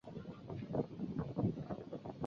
县治位于漯水市。